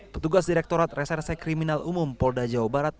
petugas direktorat reserse kriminal umum polda jawa barat